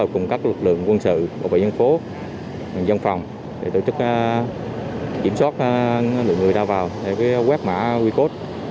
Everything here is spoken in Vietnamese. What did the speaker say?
cùng các lực lượng quân sự bộ bệnh nhân phố dân phòng để tổ chức kiểm soát lượng người đa vào để quét mã quy cốt